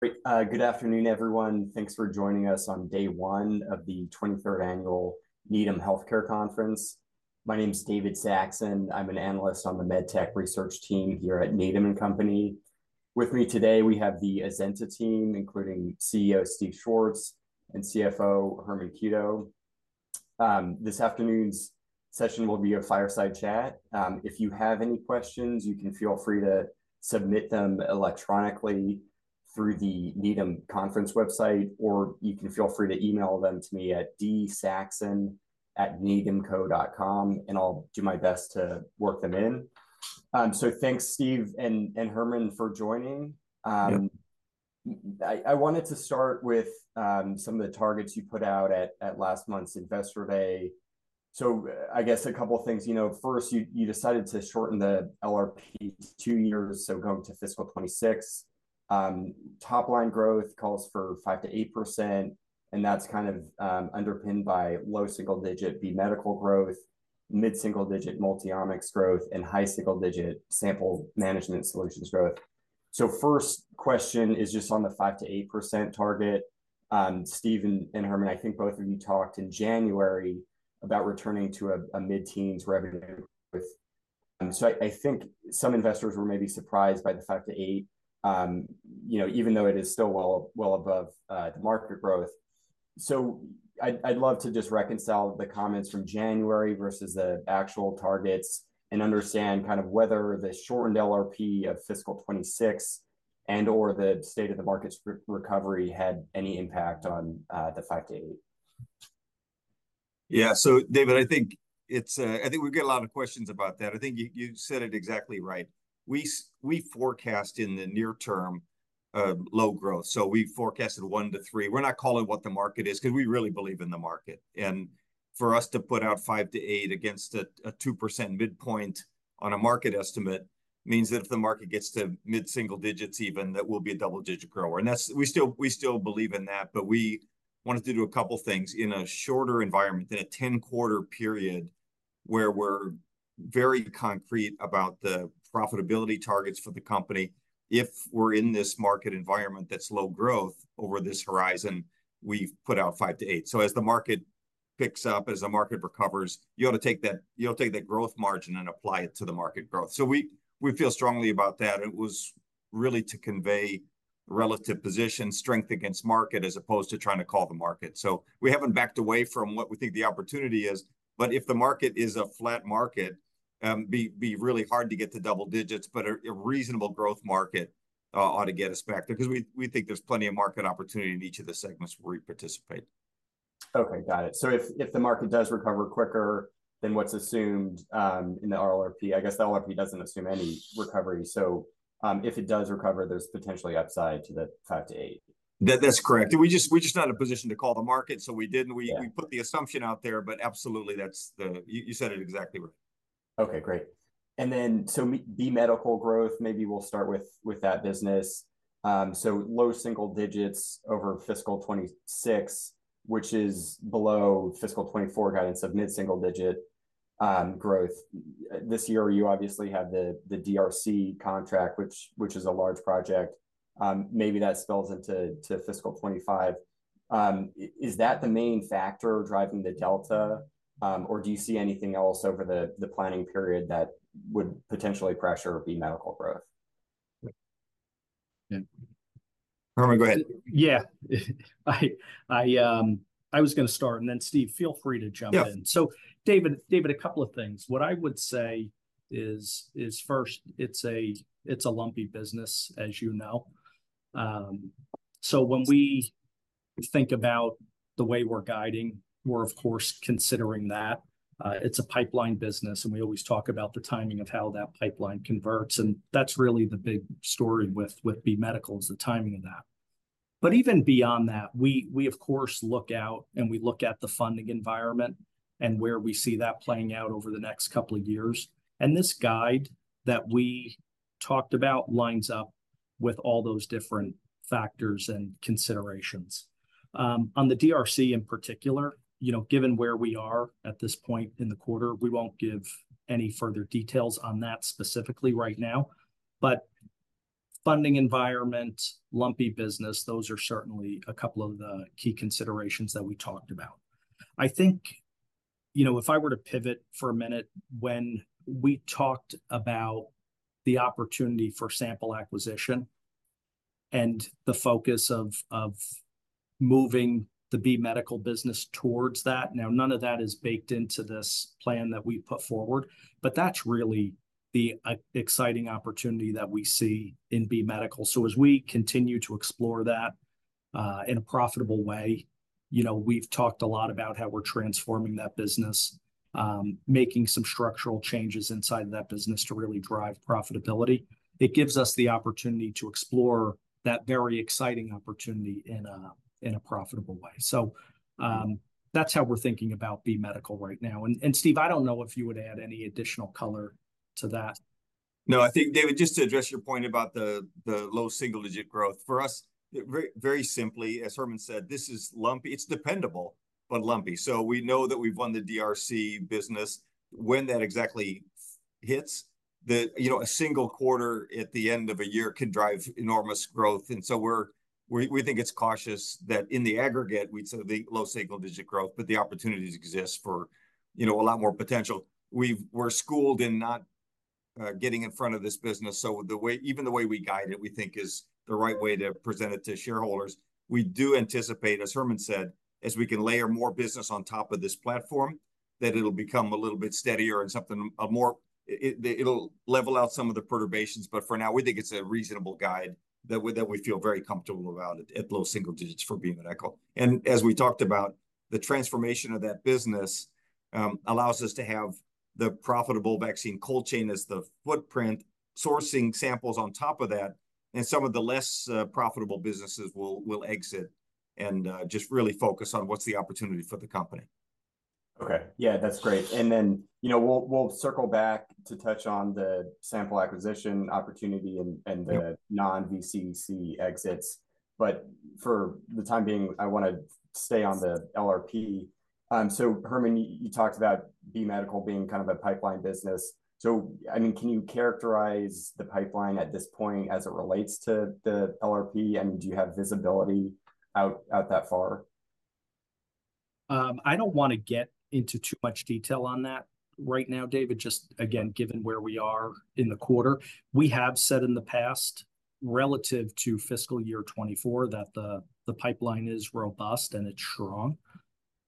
Great. Good afternoon, everyone. Thanks for joining us on day 1 of the 23rd annual Needham Healthcare Conference. My name is David Saxon. I'm an analyst on the MedTech research team here at Needham & Company. With me today, we have the Azenta team, including CEO Steve Schwartz and CFO Herman Cueto. This afternoon's session will be a fireside chat. If you have any questions, you can feel free to submit them electronically through the Needham Conference website, or you can feel free to email them to me at dsaxon@needhamco.com, and I'll do my best to work them in. Thanks, Steve and Herman, for joining. I wanted to start with some of the targets you put out at last month's Investor Day. I guess a couple of things. First, you decided to shorten the LRP 2 years, so going to fiscal 2026. Top-line growth calls for 5%-8%, and that's kind of underpinned by low single-digit B Medical growth, mid-single-digit Multiomics growth, and high single-digit Sample Management Solutions growth. So first question is just on the 5%-8% target. Steve and Herman, I think both of you talked in January about returning to a mid-teens revenue growth. So I think some investors were maybe surprised by the 5%-8%, even though it is still well above the market growth. So I'd love to just reconcile the comments from January versus the actual targets and understand kind of whether the shortened LRP of fiscal 2026 and/or the state-of-the-market recovery had any impact on the 5%-8%. Yeah. So, David, I think we've got a lot of questions about that. I think you said it exactly right. We forecast in the near-term low growth. So we forecasted 1-3. We're not calling what the market is because we really believe in the market. And for us to put out 5-8 against a 2% midpoint on a market estimate means that if the market gets to mid-single digits even, that will be a double-digit grower. And we still believe in that. But we wanted to do a couple of things in a shorter environment, in a 10-quarter period, where we're very concrete about the profitability targets for the company. If we're in this market environment that's low growth over this horizon, we've put out 5-8. So as the market picks up, as the market recovers, you ought to take that growth margin and apply it to the market growth. So we feel strongly about that. And it was really to convey relative position, strength against market, as opposed to trying to call the market. So we haven't backed away from what we think the opportunity is. But if the market is a flat market, it'd be really hard to get to double digits. But a reasonable growth market ought to get us back there because we think there's plenty of market opportunity in each of the segments where we participate. Okay. Got it. So if the market does recover quicker than what's assumed in the LRP, I guess the LRP doesn't assume any recovery. So if it does recover, there's potentially upside to the 5-8. That's correct. We're just not in a position to call the market, so we didn't. We put the assumption out there. Absolutely, you said it exactly right. Okay. Great. And then so B Medical growth, maybe we'll start with that business. So low single digits over fiscal 2026, which is below fiscal 2024 guidance of mid-single digit growth. This year, you obviously have the DRC contract, which is a large project. Maybe that spills into fiscal 2025. Is that the main factor driving the delta, or do you see anything else over the planning period that would potentially pressure B Medical growth? Herman, go ahead. Yeah. I was going to start, and then, Steve, feel free to jump in. So, David, a couple of things. What I would say is, first, it's a lumpy business, as you know. So when we think about the way we're guiding, we're, of course, considering that. It's a pipeline business, and we always talk about the timing of how that pipeline converts. And that's really the big story with B Medical is the timing of that. But even beyond that, we, of course, look out, and we look at the funding environment and where we see that playing out over the next couple of years. And this guide that we talked about lines up with all those different factors and considerations. On the DRC in particular, given where we are at this point in the quarter, we won't give any further details on that specifically right now. But funding environment, lumpy business, those are certainly a couple of the key considerations that we talked about. I think if I were to pivot for a minute, when we talked about the opportunity for sample acquisition and the focus of moving the B Medical business towards that now, none of that is baked into this plan that we put forward. But that's really the exciting opportunity that we see in B Medical. So as we continue to explore that in a profitable way, we've talked a lot about how we're transforming that business, making some structural changes inside of that business to really drive profitability. It gives us the opportunity to explore that very exciting opportunity in a profitable way. So that's how we're thinking about B Medical right now. And, Steve, I don't know if you would add any additional color to that. No. I think, David, just to address your point about the low single-digit growth, for us, very simply, as Herman said, this is lumpy. It's dependable, but lumpy. So we know that we've won the DRC business. When that exactly hits, a single quarter at the end of a year can drive enormous growth. And so we think it's cautious that in the aggregate, we'd say the low single-digit growth, but the opportunities exist for a lot more potential. We're schooled in not getting in front of this business. So even the way we guide it, we think, is the right way to present it to shareholders. We do anticipate, as Herman said, as we can layer more business on top of this platform, that it'll become a little bit steadier and something more it'll level out some of the perturbations. But for now, we think it's a reasonable guide that we feel very comfortable about at low single digits for B Medical. And as we talked about, the transformation of that business allows us to have the profitable vaccine cold chain as the footprint, sourcing samples on top of that. And some of the less profitable businesses will exit and just really focus on what's the opportunity for the company. Okay. Yeah. That's great. And then we'll circle back to touch on the sample acquisition opportunity and the non-VCC exits. But for the time being, I want to stay on the LRP. So, Herman, you talked about B Medical being kind of a pipeline business. So, I mean, can you characterize the pipeline at this point as it relates to the LRP? I mean, do you have visibility out that far? I don't want to get into too much detail on that right now, David. Just, again, given where we are in the quarter, we have said in the past relative to fiscal year 2024 that the pipeline is robust and it's strong.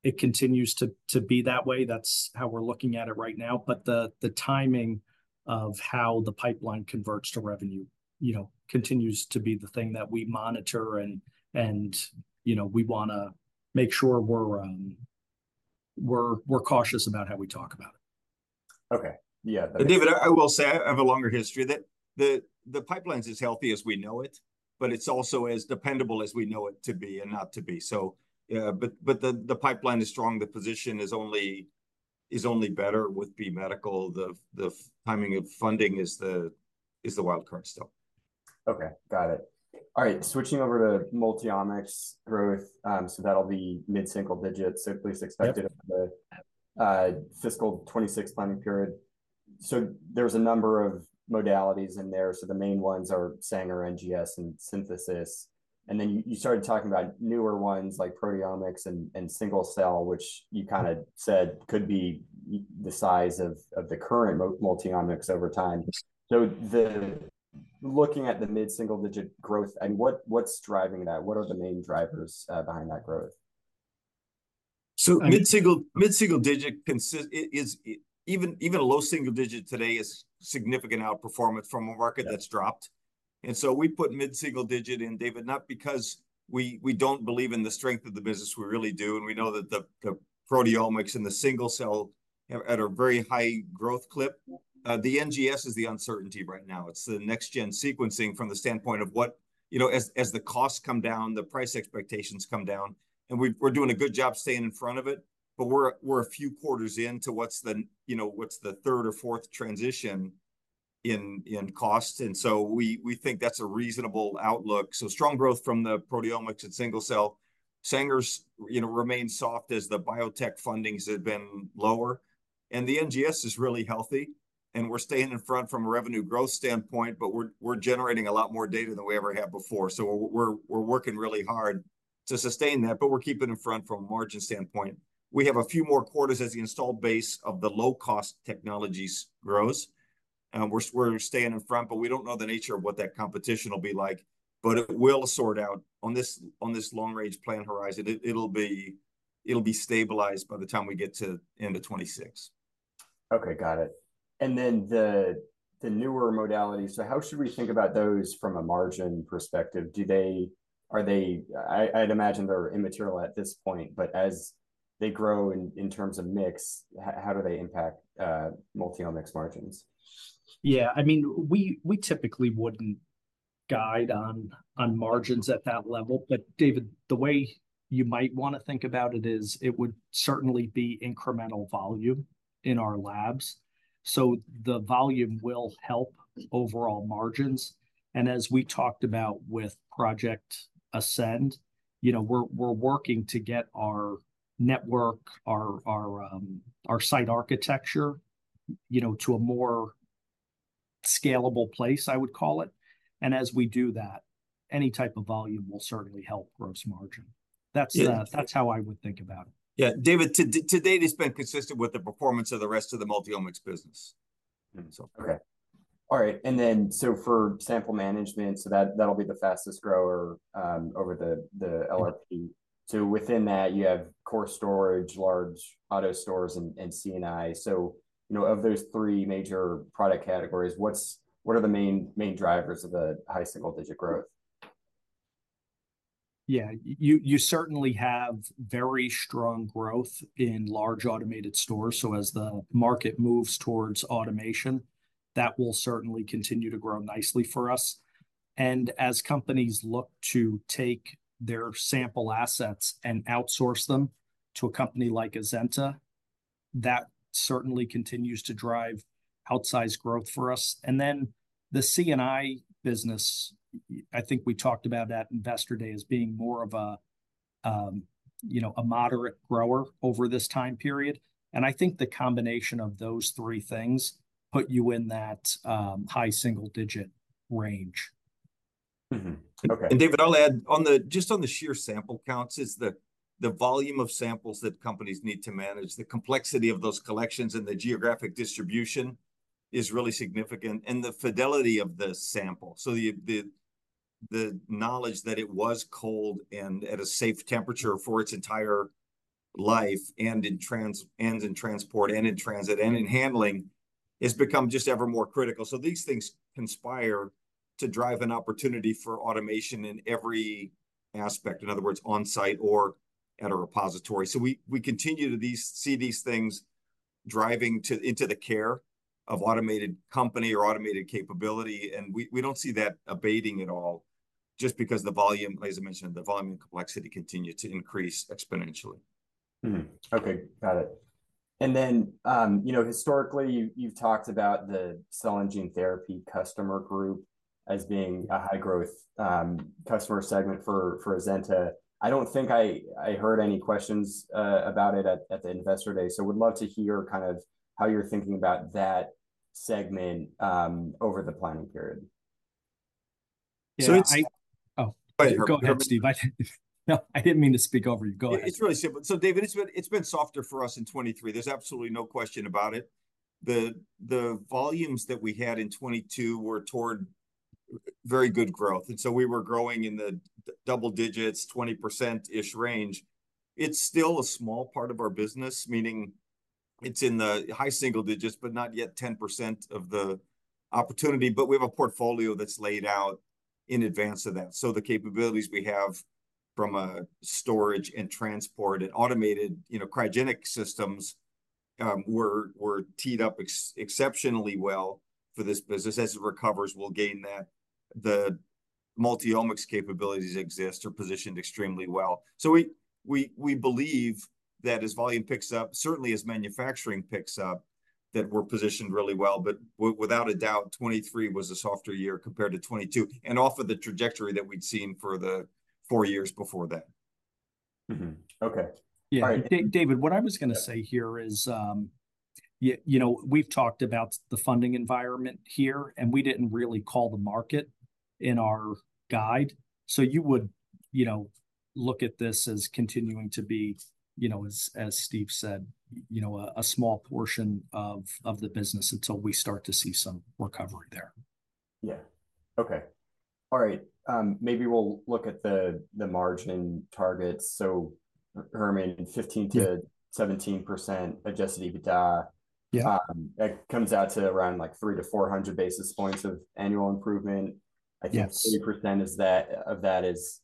It continues to be that way. That's how we're looking at it right now. But the timing of how the pipeline converts to revenue continues to be the thing that we monitor. And we want to make sure we're cautious about how we talk about it. Okay. Yeah. And, David, I will say I have a longer history. The pipeline's as healthy as we know it, but it's also as dependable as we know it to be and not to be. But the pipeline is strong. The position is only better with B Medical. The timing of funding is the wildcard still. Okay. Got it. All right. Switching over to Multiomics growth. So that'll be mid-single digits. So please expect it over the fiscal 2026 planning period. So there's a number of modalities in there. So the main ones are Sanger NGS and Synthesis. And then you started talking about newer ones like proteomics and single-cell, which you kind of said could be the size of the current Multiomics over time. So looking at the mid-single digit growth, I mean, what's driving that? What are the main drivers behind that growth? So mid-single digit, even a low single digit today is significant outperformance from a market that's dropped. And so we put mid-single digit in, David, not because we don't believe in the strength of the business. We really do. And we know that the proteomics and the single-cell are at a very high growth clip. The NGS is the uncertainty right now. It's the next-gen sequencing from the standpoint of what as the costs come down, the price expectations come down, and we're doing a good job staying in front of it. But we're a few quarters into what's the third or fourth transition in cost. And so we think that's a reasonable outlook. So strong growth from the proteomics and single cell. Sanger remains soft as the biotech fundings have been lower. And the NGS is really healthy. We're staying in front from a revenue growth standpoint, but we're generating a lot more data than we ever had before. We're working really hard to sustain that, but we're keeping in front from a margin standpoint. We have a few more quarters as the low-cost technologies grows. We're staying in front, but we don't know the nature of what that competition will be like. It will sort out. On this long-range plan horizon, it'll be stabilized by the time we get to end of 2026. Okay. Got it. And then the newer modalities so how should we think about those from a margin perspective? Are they? I'd imagine they're immaterial at this point, but as they grow in terms of mix, how do they impact Multiomics margins? Yeah. I mean, we typically wouldn't guide on margins at that level. But, David, the way you might want to think about it is it would certainly be incremental volume in our labs. So the volume will help overall margins. And as we talked about with Project Ascend, we're working to get our network, our site architecture to a more scalable place, I would call it. And as we do that, any type of volume will certainly help gross margin. That's how I would think about it. Yeah. David, to date, it's been consistent with the performance of the rest of the Multiomics business, so. Okay. All right. And then so for sample management, so that'll be the fastest grower over the LRP. So within that, you have core storage, large auto stores, and C&I. So of those three major product categories, what are the main drivers of the high single-digit growth? Yeah. You certainly have very strong growth in large automated stores. So as the market moves towards automation, that will certainly continue to grow nicely for us. And as companies look to take their sample assets and outsource them to a company like Azenta, that certainly continues to drive outsized growth for us. And then the C&I business, I think we talked about that investor day as being more of a moderate grower over this time period. And I think the combination of those three things put you in that high single-digit range. David, I'll add, just on the sheer sample counts, the volume of samples that companies need to manage, the complexity of those collections and the geographic distribution is really significant, and the fidelity of the sample. So the knowledge that it was cold and at a safe temperature for its entire life and in transport and in transit and in handling has become just ever more critical. So these things conspire to drive an opportunity for automation in every aspect, in other words, on-site or at a repository. So we continue to see these things driving into the care of automated company or automated capability. And we don't see that abating at all just because the volume, as I mentioned, the volume and complexity continue to increase exponentially. Okay. Got it. And then historically, you've talked about the cell and gene therapy customer group as being a high-growth customer segment for Azenta. I don't think I heard any questions about it at the investor day. So would love to hear kind of how you're thinking about that segment over the planning period. So it's. Oh. Go ahead, Steve. No, I didn't mean to speak over you. Go ahead. It's really simple. So, David, it's been softer for us in 2023. There's absolutely no question about it. The volumes that we had in 2022 were toward very good growth. And so we were growing in the double digits, 20%-ish range. It's still a small part of our business, meaning it's in the high single digits, but not yet 10% of the opportunity. But we have a portfolio that's laid out in advance of that. So the capabilities we have from storage and transport and automated cryogenic systems were teed up exceptionally well for this business. As it recovers, we'll gain that. The Multiomics capabilities exist, are positioned extremely well. So we believe that as volume picks up, certainly as manufacturing picks up, that we're positioned really well. Without a doubt, 2023 was a softer year compared to 2022 and off of the trajectory that we'd seen for the four years before that. Okay. All right. Yeah. And, David, what I was going to say here is we've talked about the funding environment here, and we didn't really call the market in our guide. So you would look at this as continuing to be, as Steve said, a small portion of the business until we start to see some recovery there. Yeah. Okay. All right. Maybe we'll look at the margin targets. So, Herman, 15%-17%, Adjusted EBITDA. That comes out to around like 300-400 basis points of annual improvement. I think 30% of that is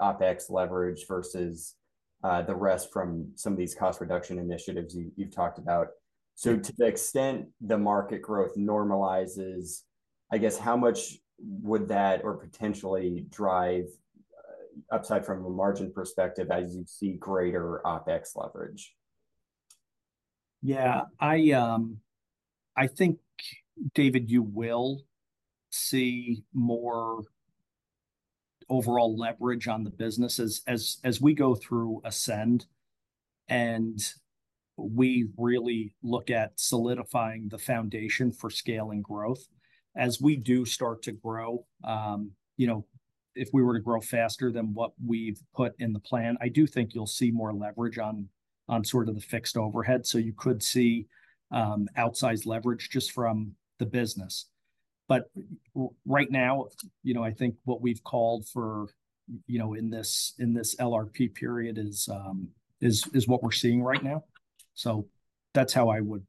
OPEX leverage versus the rest from some of these cost reduction initiatives you've talked about. So to the extent the market growth normalizes, I guess, how much would that or potentially drive, aside from a margin perspective, as you see greater OPEX leverage? Yeah. I think, David, you will see more overall leverage on the business as we go through Ascend and we really look at solidifying the foundation for scaling growth. As we do start to grow, if we were to grow faster than what we've put in the plan, I do think you'll see more leverage on sort of the fixed overhead. So you could see outsized leverage just from the business. But right now, I think what we've called for in this LRP period is what we're seeing right now. So that's how I would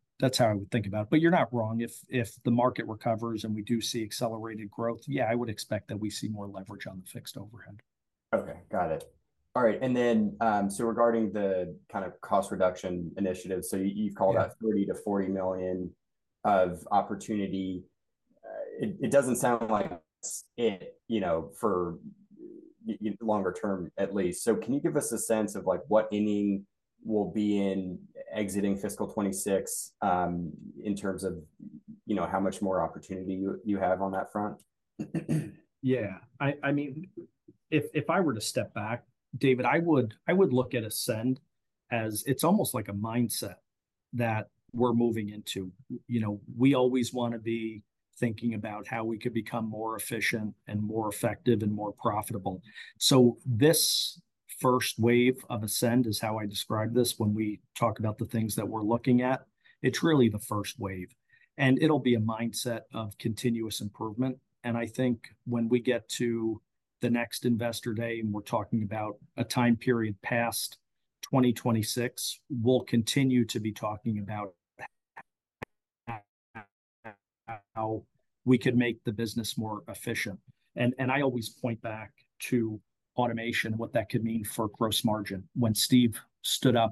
think about it. But you're not wrong. If the market recovers and we do see accelerated growth, yeah, I would expect that we see more leverage on the fixed overhead. Okay. Got it. All right. And then so regarding the kind of cost reduction initiatives, so you've called out $30 million-$40 million of opportunity. It doesn't sound like it's it for longer term, at least. So can you give us a sense of what inning will be in exiting fiscal 2026 in terms of how much more opportunity you have on that front? Yeah. I mean, if I were to step back, David, I would look at Ascend as it's almost like a mindset that we're moving into. We always want to be thinking about how we could become more efficient and more effective and more profitable. So this first wave of Ascend is how I describe this when we talk about the things that we're looking at. It's really the first wave. And it'll be a mindset of continuous improvement. And I think when we get to the next investor day and we're talking about a time period past 2026, we'll continue to be talking about how we could make the business more efficient. And I always point back to automation and what that could mean for gross margin. When Steve stood up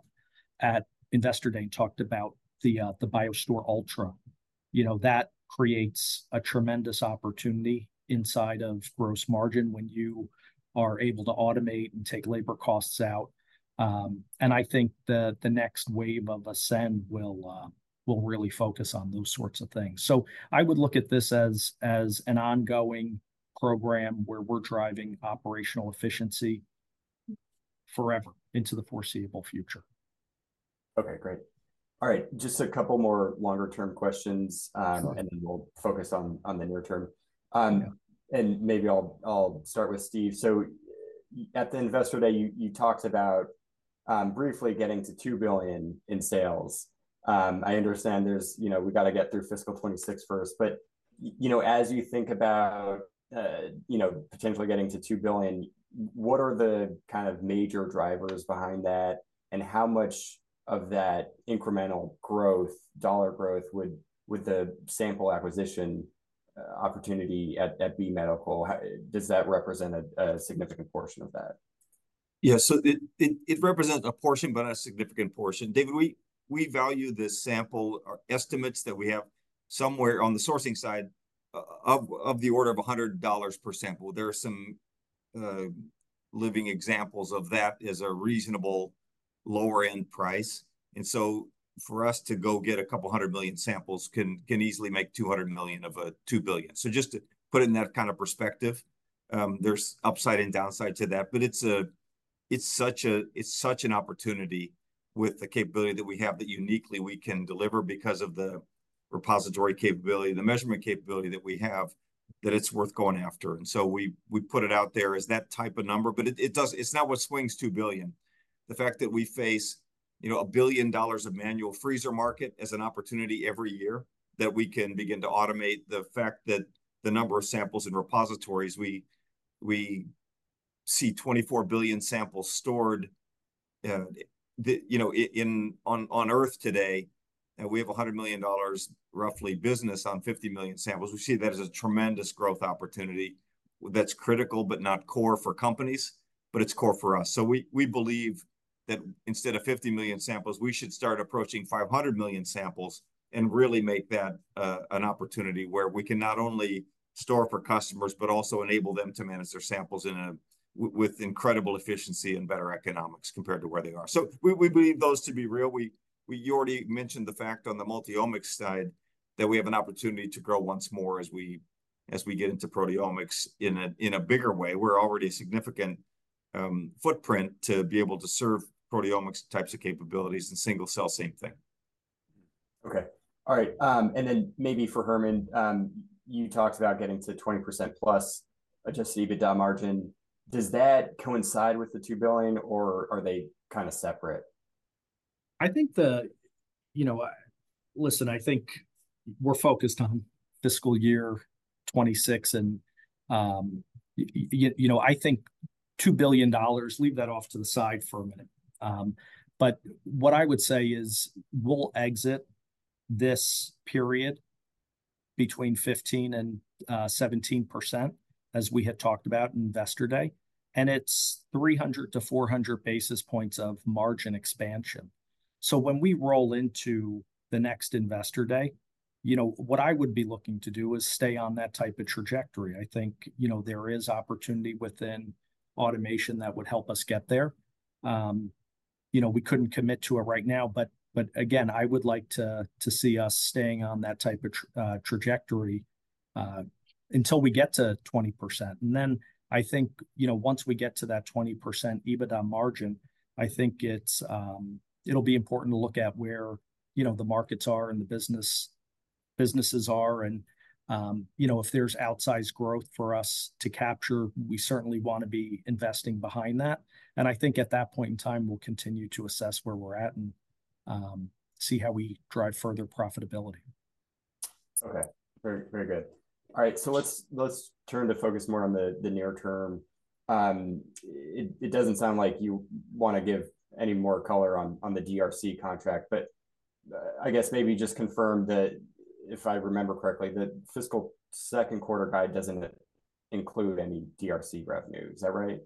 at investor day and talked about the BioArc Ultra, that creates a tremendous opportunity inside of gross margin when you are able to automate and take labor costs out. I think the next wave of Ascend will really focus on those sorts of things. I would look at this as an ongoing program where we're driving operational efficiency forever into the foreseeable future. Okay. Great. All right. Just a couple more longer-term questions, and then we'll focus on the near term. And maybe I'll start with Steve. So at the investor day, you talked about briefly getting to $2 billion in sales. I understand we got to get through fiscal 2026 first. But as you think about potentially getting to $2 billion, what are the kind of major drivers behind that, and how much of that incremental growth, dollar growth, would the sample acquisition opportunity at B Medical does that represent a significant portion of that? Yeah. So it represents a portion, but a significant portion. David, we value the sample estimates that we have somewhere on the sourcing side of the order of $100 per sample. There are some living examples of that as a reasonable lower-end price. And so for us to go get 200 million samples can easily make $200 million of a $2 billion. So just to put it in that kind of perspective, there's upside and downside to that. But it's such an opportunity with the capability that we have that uniquely we can deliver because of the repository capability, the measurement capability that we have, that it's worth going after. And so we put it out there as that type of number. But it's not what swings $2 billion. The fact that we face $1 billion of manual freezer market as an opportunity every year that we can begin to automate, the fact that the number of samples in repositories, we see 24 billion samples stored on Earth today, and we have a $100 million roughly business on 50 million samples. We see that as a tremendous growth opportunity that's critical but not core for companies, but it's core for us. So we believe that instead of 50 million samples, we should start approaching 500 million samples and really make that an opportunity where we can not only store for customers but also enable them to manage their samples with incredible efficiency and better economics compared to where they are. So we believe those to be real. You already mentioned the fact on the Multiomics side that we have an opportunity to grow once more as we get into proteomics in a bigger way. We're already a significant footprint to be able to serve proteomics types of capabilities and single-cell, same thing. Okay. All right. And then maybe for Herman, you talked about getting to 20%+ Adjusted EBITDA margin. Does that coincide with the $2 billion, or are they kind of separate? I think, listen, I think we're focused on fiscal year 2026. I think $2 billion, leave that off to the side for a minute. What I would say is we'll exit this period between 15%-17%, as we had talked about investor day. It's 300-400 basis points of margin expansion. When we roll into the next investor day, what I would be looking to do is stay on that type of trajectory. I think there is opportunity within automation that would help us get there. We couldn't commit to it right now. Again, I would like to see us staying on that type of trajectory until we get to 20%. Then I think once we get to that 20% EBITDA margin, it'll be important to look at where the markets are and the businesses are. And if there's outsized growth for us to capture, we certainly want to be investing behind that. And I think at that point in time, we'll continue to assess where we're at and see how we drive further profitability. Okay. Very good. All right. So let's turn to focus more on the near term. It doesn't sound like you want to give any more color on the DRC contract. But I guess maybe just confirm that if I remember correctly, the fiscal second quarter guide doesn't include any DRC revenue. Is that right?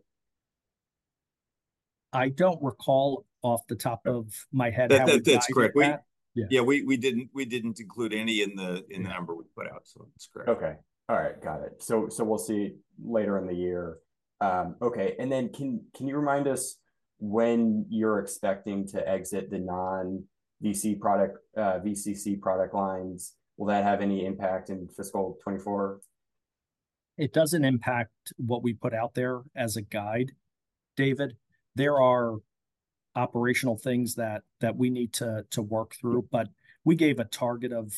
I don't recall off the top of my head how we got into that. It's correct. Yeah. We didn't include any in the number we put out. So it's correct. Okay. All right. Got it. So we'll see later in the year. Okay. And then can you remind us when you're expecting to exit the non-VCEC product lines? Will that have any impact in fiscal 2024? It doesn't impact what we put out there as a guide, David. There are operational things that we need to work through. But we gave a target of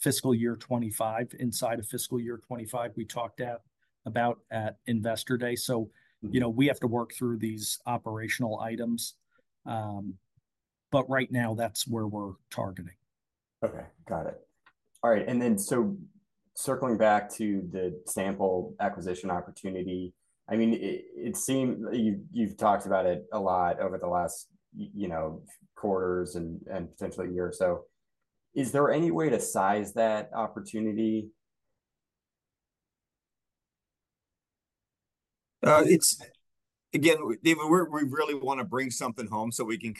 fiscal year 2025 inside of fiscal year 2025 we talked about at investor day. So we have to work through these operational items. But right now, that's where we're targeting. Okay. Got it. All right. And then so circling back to the sample acquisition opportunity, I mean, you've talked about it a lot over the last quarters and potentially a year or so. Is there any way to size that opportunity? Again, David, we really want to bring something home so we can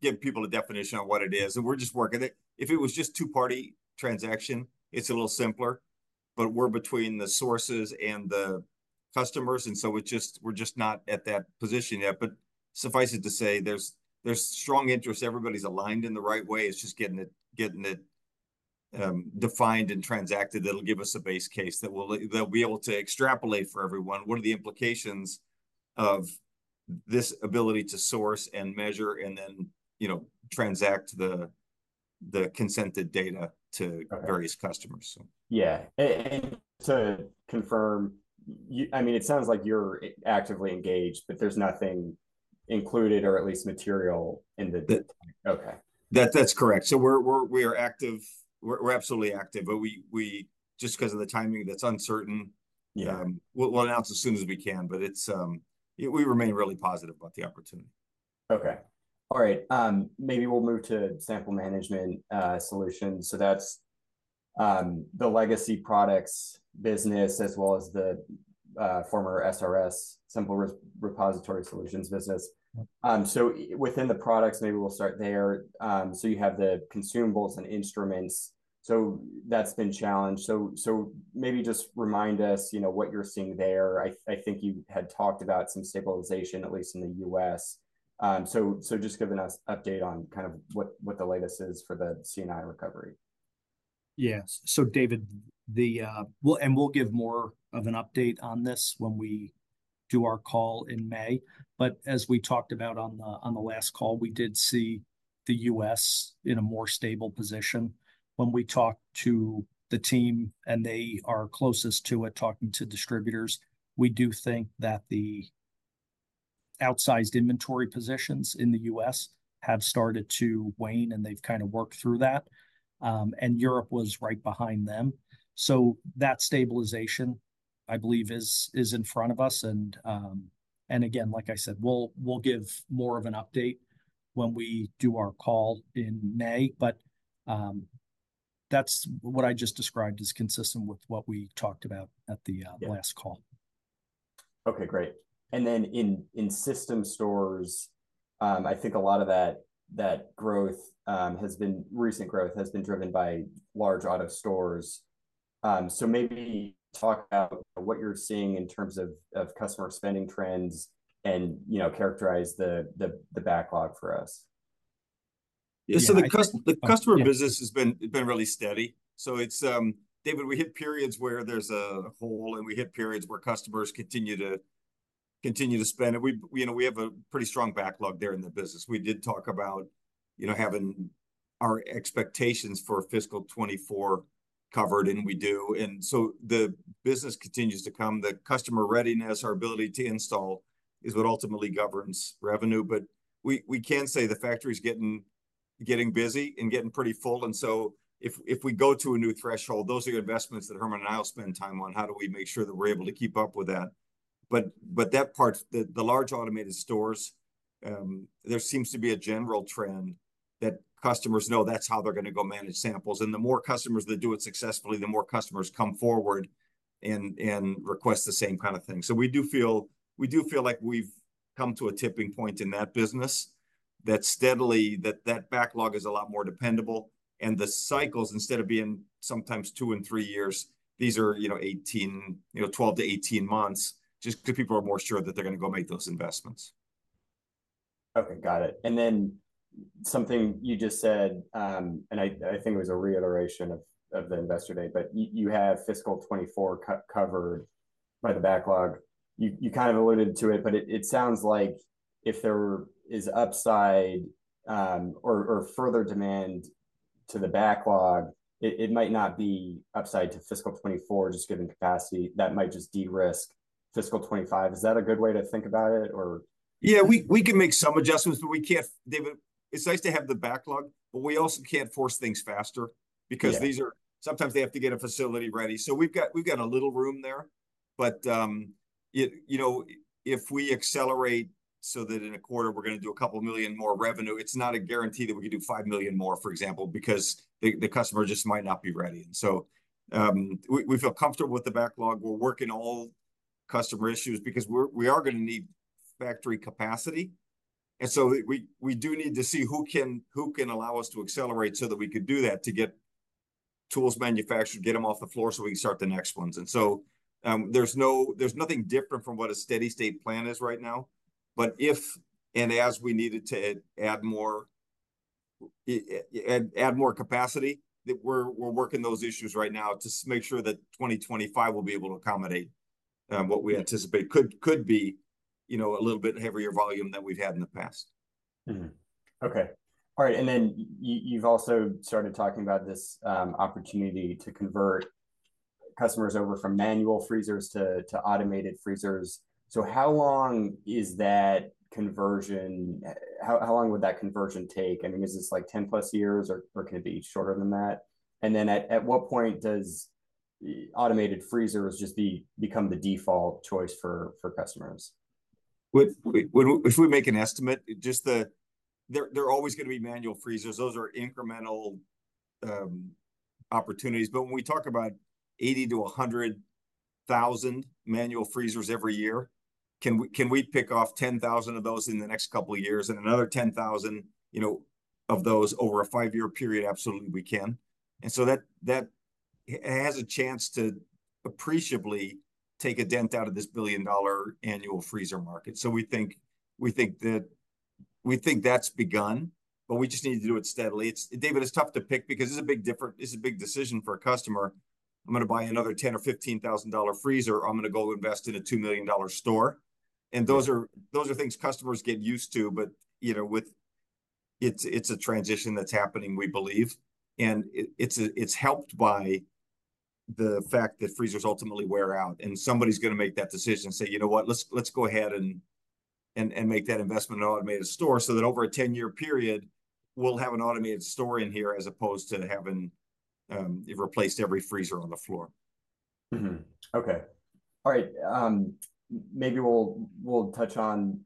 give people a definition of what it is. And we're just working it. If it was just two-party transaction, it's a little simpler. But we're between the sources and the customers. And so we're just not at that position yet. But suffice it to say, there's strong interest. Everybody's aligned in the right way. It's just getting it defined and transacted that'll give us a base case that we'll be able to extrapolate for everyone. What are the implications of this ability to source and measure and then transact the consented data to various customers, so. Yeah. To confirm, I mean, it sounds like you're actively engaged, but there's nothing included or at least material in the. That's correct. So we are active. We're absolutely active. But just because of the timing that's uncertain, we'll announce as soon as we can. But we remain really positive about the opportunity. Okay. All right. Maybe we'll move to sample management solutions. So that's the legacy products business as well as the former SRS, Sample Repository Solutions business. So within the products, maybe we'll start there. So you have the consumables and instruments. So that's been challenged. So maybe just remind us what you're seeing there. I think you had talked about some stabilization, at least in the U.S. So just giving us an update on kind of what the latest is for the C&I recovery. Yes. So, David, we'll give more of an update on this when we do our call in May. But as we talked about on the last call, we did see the U.S. in a more stable position. When we talk to the team and they are closest to it talking to distributors, we do think that the outsized inventory positions in the U.S. have started to wane, and they've kind of worked through that. And Europe was right behind them. So that stabilization, I believe, is in front of us. And again, like I said, we'll give more of an update when we do our call in May. But that's what I just described as consistent with what we talked about at the last call. Okay. Great. And then in system stores, I think a lot of that growth has been driven by large automated stores. So maybe talk about what you're seeing in terms of customer spending trends and characterize the backlog for us. Yeah. So the customer business has been really steady. So, David, we hit periods where there's a hole, and we hit periods where customers continue to spend. And we have a pretty strong backlog there in the business. We did talk about having our expectations for fiscal 2024 covered, and we do. And so the business continues to come. The customer readiness, our ability to install, is what ultimately governs revenue. But we can say the factory's getting busy and getting pretty full. And so if we go to a new threshold, those are your investments that Herman and I will spend time on. How do we make sure that we're able to keep up with that? But the large automated stores, there seems to be a general trend that customers know that's how they're going to go manage samples. And the more customers that do it successfully, the more customers come forward and request the same kind of thing. So we do feel we do feel like we've come to a tipping point in that business that that backlog is a lot more dependable. And the cycles, instead of being sometimes two and three years, these are 12-18 months just because people are more sure that they're going to go make those investments. Okay. Got it. And then something you just said, and I think it was a reiteration of the investor day, but you have fiscal 2024 covered by the backlog. You kind of alluded to it, but it sounds like if there is upside or further demand to the backlog, it might not be upside to fiscal 2024 just given capacity. That might just de-risk fiscal 2025. Is that a good way to think about it, or? Yeah. We can make some adjustments, but we can't, David. It's nice to have the backlog, but we also can't force things faster because sometimes they have to get a facility ready. So we've got a little room there. But if we accelerate so that in a quarter we're going to do $2 million more revenue, it's not a guarantee that we could do $5 million more, for example, because the customer just might not be ready. And so we feel comfortable with the backlog. We're working all customer issues because we are going to need factory capacity. And so we do need to see who can allow us to accelerate so that we could do that, to get tools manufactured, get them off the floor so we can start the next ones. And so there's nothing different from what a steady-state plan is right now. If and as we needed to add more capacity, we're working those issues right now to make sure that 2025 will be able to accommodate what we anticipate could be a little bit heavier volume than we've had in the past. Okay. All right. And then you've also started talking about this opportunity to convert customers over from manual freezers to automated freezers. So how long is that conversion? How long would that conversion take? I mean, is this like 10+ years, or can it be shorter than that? And then at what point does automated freezers just become the default choice for customers? If we make an estimate, there are always going to be manual freezers. Those are incremental opportunities. But when we talk about 80,000-100,000 manual freezers every year, can we pick off 10,000 of those in the next couple of years and another 10,000 of those over a 5-year period? Absolutely, we can. And so that has a chance to appreciably take a dent out of this billion-dollar annual freezer market. So we think that we think that's begun, but we just need to do it steadily. David, it's tough to pick because it's a big different it's a big decision for a customer. I'm going to buy another $10,000 or $15,000 freezer. I'm going to go invest in a $2 million store. And those are things customers get used to. But it's a transition that's happening, we believe. It's helped by the fact that freezers ultimately wear out. Somebody's going to make that decision and say, "You know what? Let's go ahead and make that investment in an automated store so that over a 10-year period, we'll have an automated store in here as opposed to having replaced every freezer on the floor. Okay. All right. Maybe we'll touch on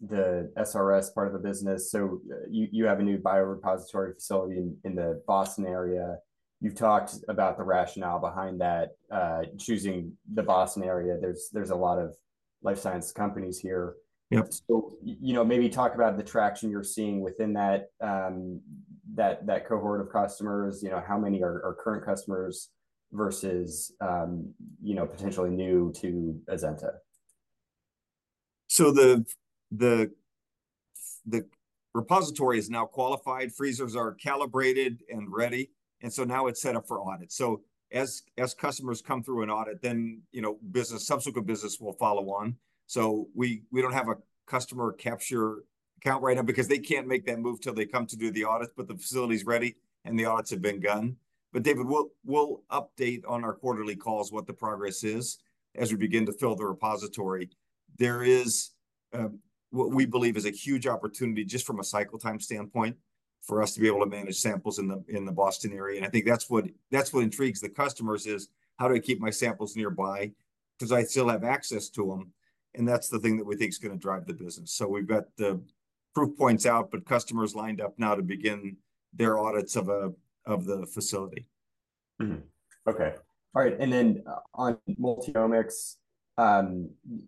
the SRS part of the business. So you have a new biorepository facility in the Boston area. You've talked about the rationale behind that, choosing the Boston area. There's a lot of life science companies here. So maybe talk about the traction you're seeing within that cohort of customers. How many are current customers versus potentially new to Azenta? The repository is now qualified. Freezers are calibrated and ready. Now it's set up for audit. So as customers come through an audit, then subsequent business will follow on. So we don't have a customer capture account right now because they can't make that move till they come to do the audit. But the facility's ready, and the audits have been done. But, David, we'll update on our quarterly calls what the progress is as we begin to fill the repository. There is what we believe is a huge opportunity just from a cycle time standpoint for us to be able to manage samples in the Boston area. And I think that's what intrigues the customers is, "How do I keep my samples nearby because I still have access to them?" And that's the thing that we think is going to drive the business. We've got the proof points out, but customers lined up now to begin their audits of the facility. Okay. All right. And then on Multiomics,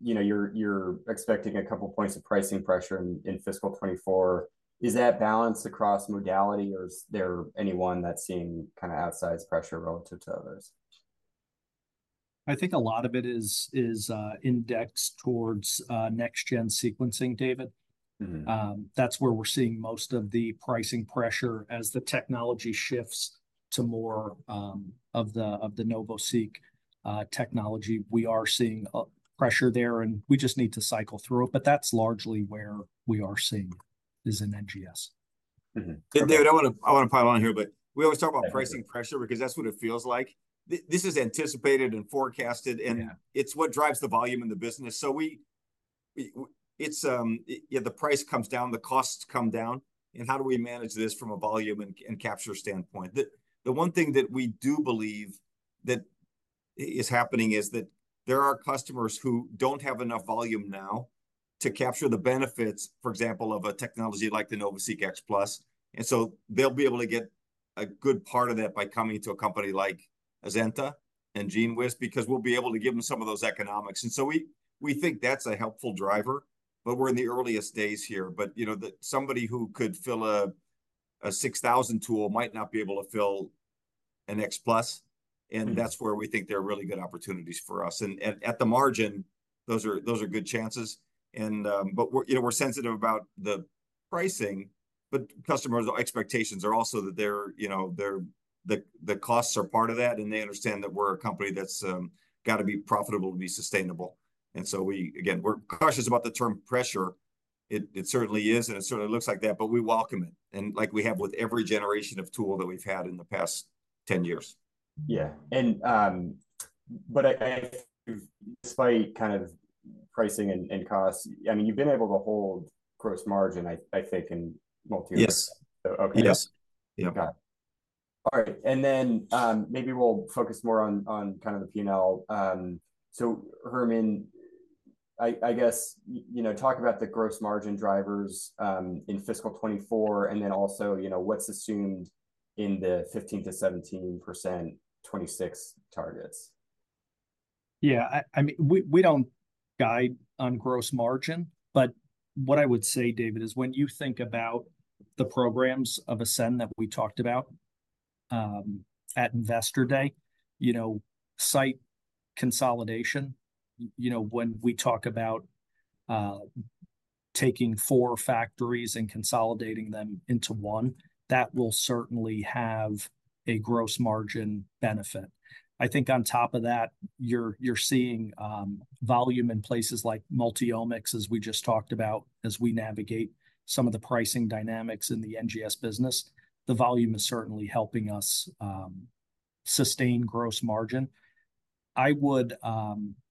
you're expecting a couple of points of pricing pressure in fiscal 2024. Is that balanced across modality, or is there anyone that's seeing kind of outsized pressure relative to others? I think a lot of it is indexed towards next-gen sequencing, David. That's where we're seeing most of the pricing pressure as the technology shifts to more of the NovaSeq technology. We are seeing pressure there, and we just need to cycle through it. But that's largely where we are seeing is in NGS. David, I want to pile on here, but we always talk about pricing pressure because that's what it feels like. This is anticipated and forecasted, and it's what drives the volume in the business. So yeah, the price comes down, the costs come down. And how do we manage this from a volume and capture standpoint? The one thing that we do believe that is happening is that there are customers who don't have enough volume now to capture the benefits, for example, of a technology like the NovaSeq X Plus. And so they'll be able to get a good part of that by coming to a company like Azenta and GENEWIZ because we'll be able to give them some of those economics. And so we think that's a helpful driver, but we're in the earliest days here. But somebody who could fill a 6,000 tool might not be able to fill an X Plus. And that's where we think there are really good opportunities for us. And at the margin, those are good chances. But we're sensitive about the pricing. But customers' expectations are also that the costs are part of that, and they understand that we're a company that's got to be profitable to be sustainable. And so again, we're cautious about the term pressure. It certainly is, and it certainly looks like that. But we welcome it, and like we have with every generation of tool that we've had in the past 10 years. Yeah. But despite kind of pricing and costs, I mean, you've been able to hold gross margin, I think, in Multiomics. Yes. Okay. Got it. All right. And then maybe we'll focus more on kind of the P&L. So, Herman, I guess, talk about the gross margin drivers in fiscal 2024 and then also what's assumed in the 15%-17% 2026 targets. Yeah. I mean, we don't guide on gross margin. But what I would say, David, is when you think about the programs of Ascend that we talked about at investor day, site consolidation, when we talk about taking four factories and consolidating them into one, that will certainly have a gross margin benefit. I think on top of that, you're seeing volume in places like Multiomics, as we just talked about, as we navigate some of the pricing dynamics in the NGS business. The volume is certainly helping us sustain gross margin. I would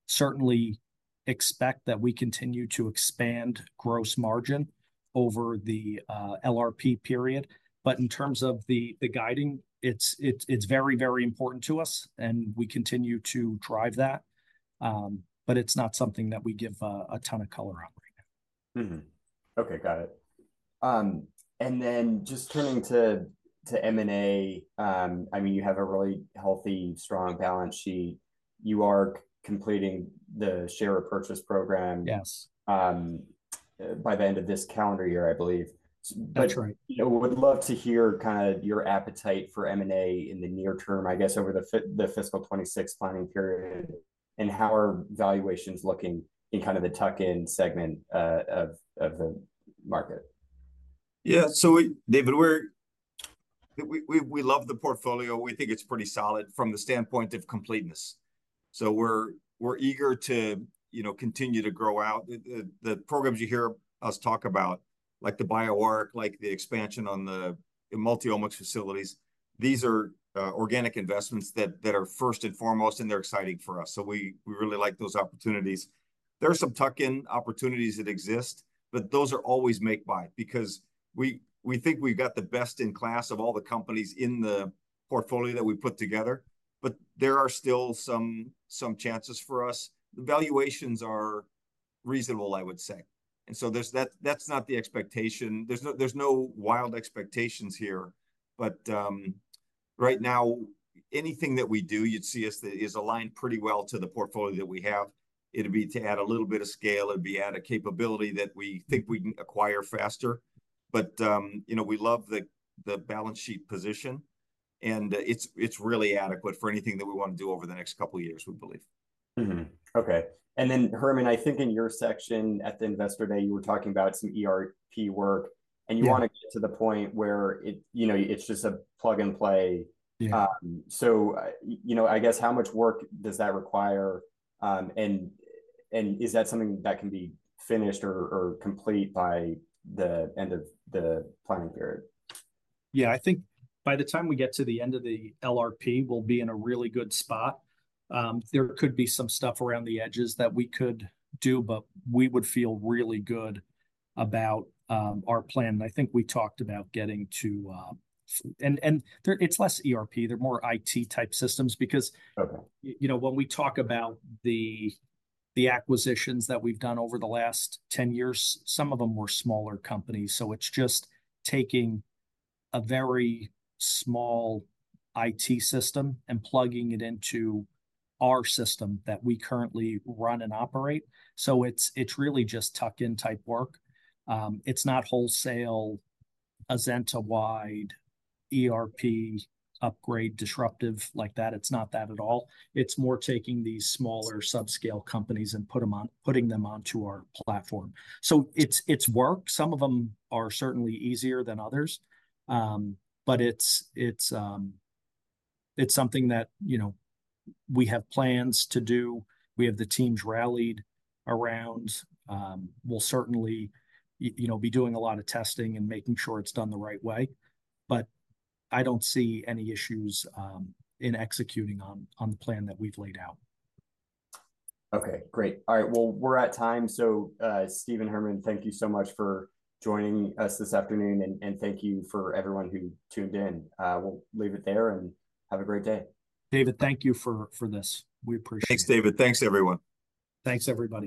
certainly expect that we continue to expand gross margin over the LRP period. But in terms of the guiding, it's very, very important to us, and we continue to drive that. But it's not something that we give a ton of color on right now. Okay. Got it. And then just turning to M&A, I mean, you have a really healthy, strong balance sheet. You are completing the share repurchase program by the end of this calendar year, I believe. That's right. But would love to hear kind of your appetite for M&A in the near term, I guess, over the fiscal 2026 planning period and how our valuations looking in kind of the tuck-in segment of the market. Yeah. So, David, we love the portfolio. We think it's pretty solid from the standpoint of completeness. So we're eager to continue to grow out. The programs you hear us talk about, like the BioArc, like the expansion on the Multiomics facilities, these are organic investments that are first and foremost, and they're exciting for us. So we really like those opportunities. There are some tuck-in opportunities that exist, but those are always made because we think we've got the best in class of all the companies in the portfolio that we put together. But there are still some chances for us. The valuations are reasonable, I would say. And so that's not the expectation. There's no wild expectations here. But right now, anything that we do, you'd see us that is aligned pretty well to the portfolio that we have. It'd be to add a little bit of scale. It'd be to add a capability that we think we can acquire faster. But we love the balance sheet position, and it's really adequate for anything that we want to do over the next couple of years, we believe. Okay. And then, Herman, I think in your section at the investor day, you were talking about some ERP work, and you want to get to the point where it's just a plug-and-play. So I guess how much work does that require, and is that something that can be finished or complete by the end of the planning period? Yeah. I think by the time we get to the end of the LRP, we'll be in a really good spot. There could be some stuff around the edges that we could do, but we would feel really good about our plan. I think we talked about getting to and it's less ERP. They're more IT-type systems because when we talk about the acquisitions that we've done over the last 10 years, some of them were smaller companies. So it's just taking a very small IT system and plugging it into our system that we currently run and operate. So it's really just tuck-in type work. It's not wholesale, Azenta-wide ERP upgrade, disruptive like that. It's not that at all. It's more taking these smaller subscale companies and putting them onto our platform. So it's work. Some of them are certainly easier than others, but it's something that we have plans to do. We have the teams rallied around. We'll certainly be doing a lot of testing and making sure it's done the right way. But I don't see any issues in executing on the plan that we've laid out. Okay. Great. All right. Well, we're at time. So, Stephen, Herman, thank you so much for joining us this afternoon, and thank you for everyone who tuned in. We'll leave it there and have a great day. David, thank you for this. We appreciate it. Thanks, David. Thanks, everyone. Thanks, everybody.